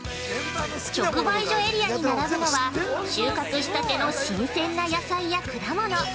◆直売所エリアに並ぶのは、収穫したての新鮮な野菜や果物。